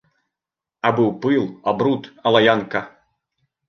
А быў пыл, а бруд, а лаянка!